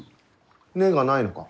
根がないのか？